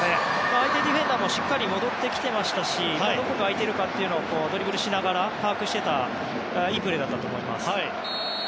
相手ディフェンダーもしっかり戻ってきてましたしどこが空いているかをドリブルしながら把握していたいいプレーだったと思います。